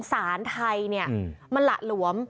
สารไทยมันหละหลวม